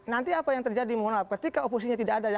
nanti apa yang terjadi ketika oposisi ini tidak ada